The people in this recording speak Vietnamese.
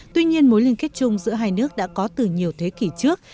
tuy nhiên mối liên kết chung giữa hai nước đã có từ nhiều thế kỷ trước